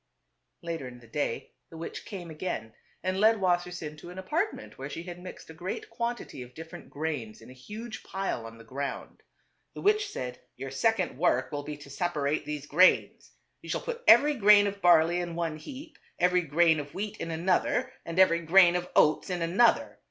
Later in the day the witch came again and led Wassersein to an apartment where she had mixed a great quantity of different "grains in a huge pile on the ground. The witch said, " Your second work will be to separate these grains. You shall put every grain of barley in one heap, every grain of wheat in another, and every grain of oats in another.